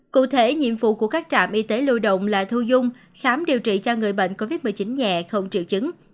cụ thể nhiệm vụ của các trạm y tế lưu động là thu dung khám điều trị cho người bệnh covid một mươi chín nhẹ không triệu chứng